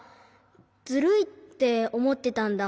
ズルいっておもってたんだ。